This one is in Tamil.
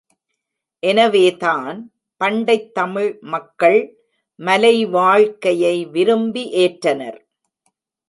எனவேதான் பண்டைத் தமிழ் மக்கள் மலைவாழ்க்கையை விரும்பி ஏற்றனர்.